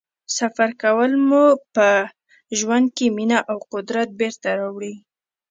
سفر کول مو په ژوند کې مینه او قدرت بېرته راوړي.